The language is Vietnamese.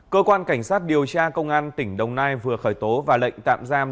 cơ quan cảnh sát điều tra công an tp đà nẵng vừa khởi tố và lệnh tạm giam